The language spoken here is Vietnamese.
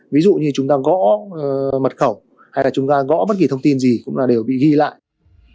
ví dụ như chúng ta gõ mật khẩu hay là chúng ta gõ bất kỳ thông tin gì cũng là đều bị ghi lại